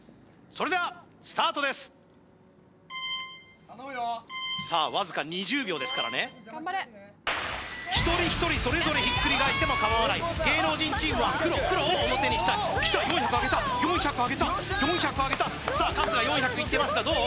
それではスタートです・頼むよわずか２０秒ですからね一人一人それぞれひっくり返してもかまわない芸能人チームは黒を表にしたいきた４００上げた４００上げた４００上げたさあ春日４００いってますがどう？